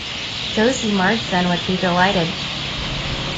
Josie Marsden would be delighted.